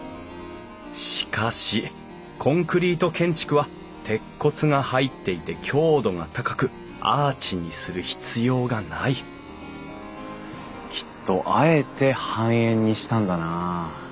しかしコンクリート建築は鉄骨が入っていて強度が高くアーチにする必要がないきっとあえて半円にしたんだな。